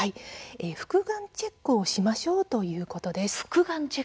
複眼チェックをしましょうということなんです。